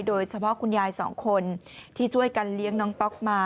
โดยเฉพาะคุณยาย๒คนที่ช่วยกันเลี้ยงน้องต๊อกมา